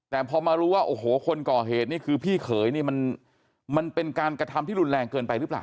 แต่พอมารู้ว่าโอ้โหคนก่อเหตุนี่คือพี่เขยนี่มันเป็นการกระทำที่รุนแรงเกินไปหรือเปล่า